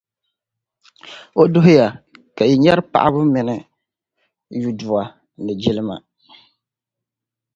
o duhi ya, ka yi nyari paɣibu mini yudua ni jilima.